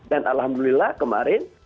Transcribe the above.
dan alhamdulillah kemarin